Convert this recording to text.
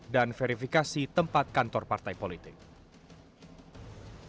dan verifikasi tempat kantor partai politik